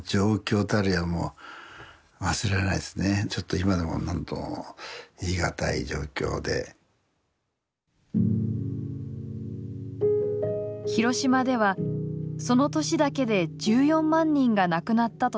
広島ではその年だけで１４万人が亡くなったとされています。